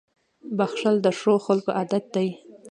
• بښل د ښو خلکو عادت دی.